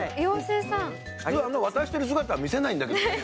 普通は、渡してる姿見せないんだけどね。